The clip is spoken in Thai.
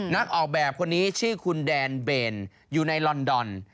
นักออกแบบคนนี้ชื่อคุณแดนเบนอยู่ในลอนดอน